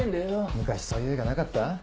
昔そういう映画なかった？